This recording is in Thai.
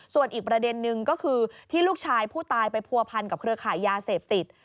ส่วนอีกประเด็นนึงก็คือที่ลูกชายผู้ตายไปผัวพันกับเครือขายยาเสพติด